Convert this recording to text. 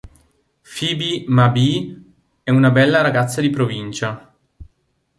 Phoebe Mabee è una bella ragazza di provincia.